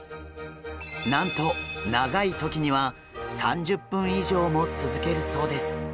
なんと長い時には３０分以上も続けるそうです。